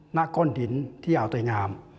หน้าก้อนหินที่อ่าวเตยงาม